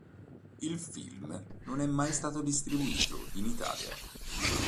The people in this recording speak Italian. Il film non è mai stato distribuito in Italia.